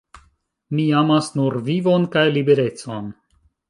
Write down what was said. Mi amas nur vivon kaj liberecon"".